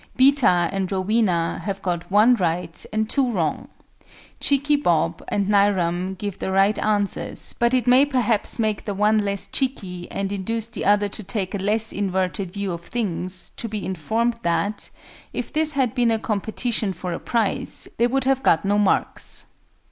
BETA and ROWENA have got (1) right and (2) wrong. CHEEKY BOB and NAIRAM give the right answers, but it may perhaps make the one less cheeky, and induce the other to take a less inverted view of things, to be informed that, if this had been a competition for a prize, they would have got no marks.